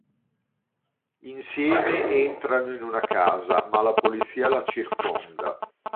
Insieme entrano in una casa, ma la polizia la circonda.